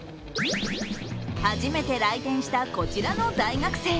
初めて来店したこちらの大学生。